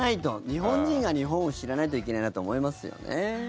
日本人が日本を知らないといけないなと思いますよね。